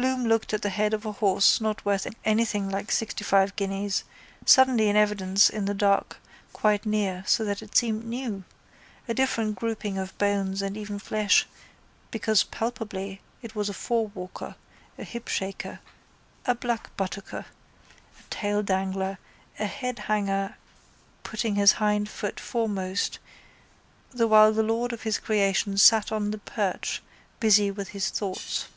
Bloom looked at the head of a horse not worth anything like sixtyfive guineas, suddenly in evidence in the dark quite near so that it seemed new, a different grouping of bones and even flesh because palpably it was a fourwalker, a hipshaker, a blackbuttocker, a taildangler, a headhanger putting his hind foot foremost the while the lord of his creation sat on the perch, busy with his thoughts.